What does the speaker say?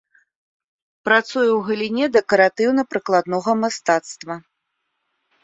Працуе ў галіне дэкаратыўна-прыкладнога мастацтва.